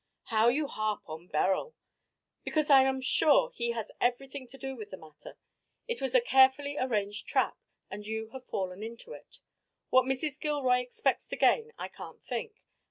"How you harp on Beryl." "Because I am sure he has everything to do with the matter. It was a carefully arranged trap, and you have fallen into it. What Mrs. Gilroy expects to gain I can't think.